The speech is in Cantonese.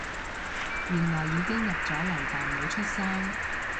原來已經入咗嚟但冇出聲